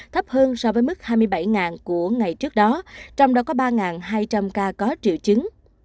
thấp hơn so với mức hai mươi bảy của ngày trước đó trong đó có ba hai trăm linh ca có triệu chứng